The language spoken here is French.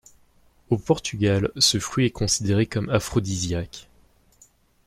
Au Portugal, ce fruit est considéré comme aphrodisiaque.